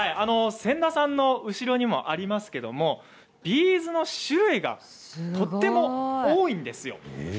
仙田さんの後ろにもありますが、ビーズの種類がとっても多いんです。